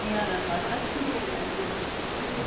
またきれいな指。